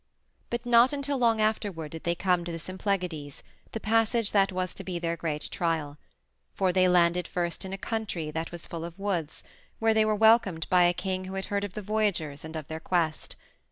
But not until long afterward did they come to the Symplegades, the passage that was to be their great trial. For they landed first in a country that was full of woods, where they were welcomed by a king who had heard of the voyagers and of their quest.